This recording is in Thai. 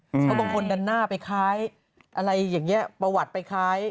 เพราะบางคนดันหน้าไปคล้ายอะไรอย่างนี้ประวัติไปคล้าย